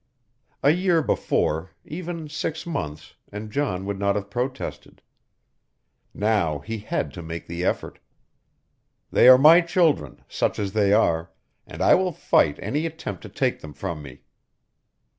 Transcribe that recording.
A year before even six months and John would not have protested. Now he had to make the effort. "They are my children such as they are and I will fight any attempt to take them from me."